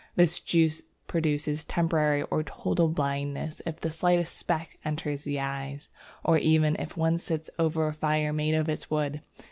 This juice produces temporary or total blindness if the slightest speck enters the eyes, or even if one sits over a fire made of its wood.